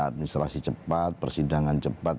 administrasi cepat persidangan cepat